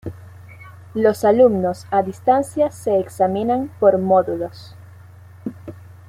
Los alumnos a distancia se examinan por módulos.